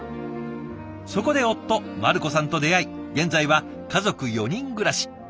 そこで夫マルコさんと出会い現在は家族４人暮らし。